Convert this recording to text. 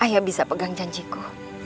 ayah bisa pegang janjiku